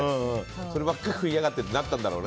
そればっかり食いやがってってなったんだろうね。